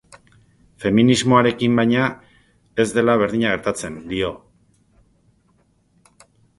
Feminismoarekin, baina, ez dela berdina gertatzen dio.